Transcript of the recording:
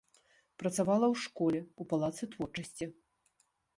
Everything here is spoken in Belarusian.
Працавала ў школе, у палацы творчасці.